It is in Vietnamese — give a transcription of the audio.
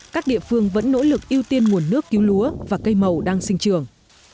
các địa phương vẫn nỗ lực ưu tiên nguồn nước cứu lúa và cây màu đang sinh trường